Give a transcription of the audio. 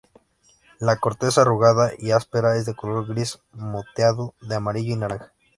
La corteza arrugada y áspera es de color gris moteado de amarillo y naranja.